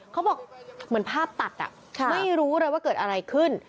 เขาบอกเหมือนภาพตัดไม่รู้เลยว่าเกิดอะไรขึ้น